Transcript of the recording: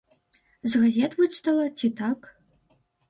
З газет вычытала, ці так?